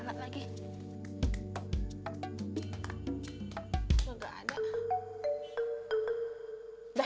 maksudnya bikin kegaduhan seperti apa